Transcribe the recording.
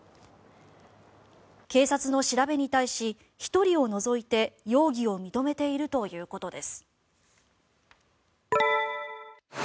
警察の調べに対し、１人を除いて容疑を認めているということです。